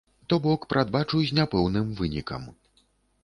То бок, прадбачу з няпэўным вынікам.